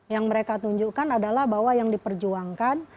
yang mereka tunjukkan adalah bahwa yang diperjuangkan